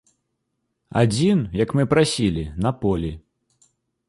Адзін, як мы прасілі, на полі.